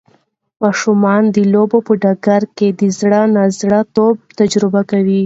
ماشومان د لوبو په ډګر کې د زړه نا زړه توب تجربه کوي.